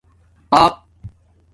تٰق